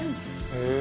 へえ。